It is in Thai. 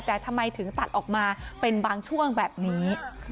แต่ทำไมถึงตัดออกมาเป็นบางช่วงแบบนี้